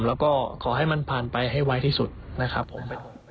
แล้วก็ขอให้มันผ่านไปให้ไวที่สุดนะครับผม